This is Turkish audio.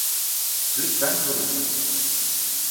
Lütfen durun!